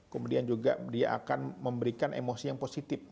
kemudian juga dia akan memberikan emosi yang positif